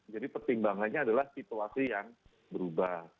jadi pertimbangannya adalah situasi yang berubah